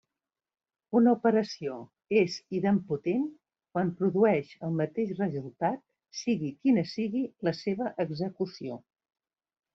Una operació és idempotent quan produeix el mateix resultat sigui quina sigui la seva execució.